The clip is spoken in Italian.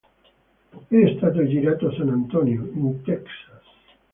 È stato girato a San Antonio, in Texas.